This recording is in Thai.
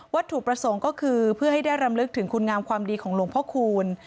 ถูกประสงค์ก็คือเพื่อให้ได้รำลึกถึงคุณงามความดีของหลวงพ่อคูณ